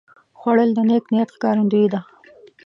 خوړل د نیک نیت ښکارندویي ده